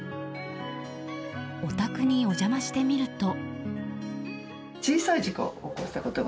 お宅にお邪魔してみると。